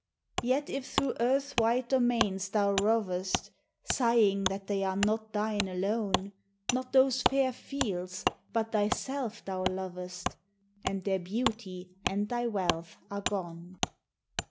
Yet if through earth's wide domains thou rovest, Sighing that they are not thine alone. Not those fair fields, but thyself thou lovest, And their beauty and thy wealth are gone.